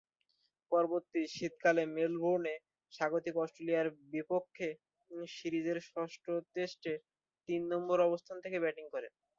পরবর্তী শীতকালে মেলবোর্নে স্বাগতিক অস্ট্রেলিয়ার বিপক্ষে সিরিজের ষষ্ঠ টেস্টে তিন নম্বর অবস্থানে থেকে ব্যাটিং করেন।